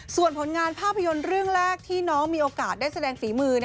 ส่วนผลงานภาพยนตร์เรื่องแรกที่น้องมีโอกาสได้แสดงฝีมือ